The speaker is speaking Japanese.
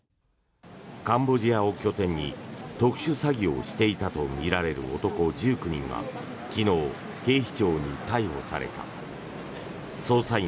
カンボジアを拠点に特殊詐欺をしていたとみられる男１９人がピックアップＮＥＷＳ